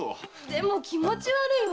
でも気持ち悪いわ。